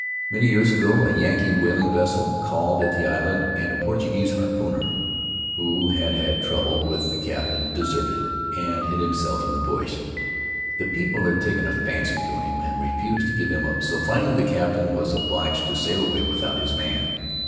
Many years ago a Yankee whaling vessel called at the island, and a Portuguese harpooner, who had had trouble with the captain, deserted and hid himself in the bush. The people had taken a fancy to him and refused to give him up, so finally the captain was obliged to sail away without his man.